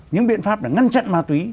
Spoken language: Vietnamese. những biện pháp để ngăn chặn ma tí